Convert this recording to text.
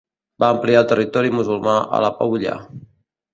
Va ampliar el territori musulmà a la Pulla.